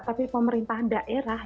tapi pemerintah daerah